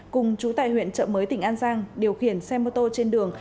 cùng chú tại huyện chợ mới tỉnh an giang điều khiển xe mô tô trên đường